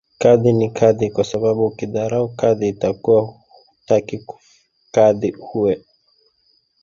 Kadhi ni kadhi kwasababu ukidharau kadhi itakuva hutaki kadhi uwe.